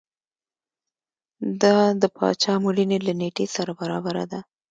دا د پاچا مړینې له نېټې سره برابره ده.